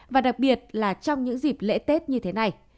và đặc biệt là trong những dịp lễ tết như thế này